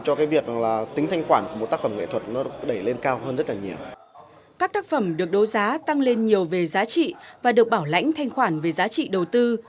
các tác phẩm được đấu giá tăng lên nhiều về giá trị và được bảo lãnh thanh khoản về giá trị đầu tư